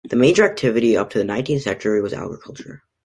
The major activity up to the nineteenth century was agriculture.